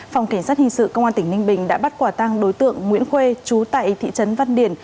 phòng cảnh sát hình sự công an tp tam điệp đã bắt quả tăng đối tượng nguyễn khuê trú tại thị trấn văn điển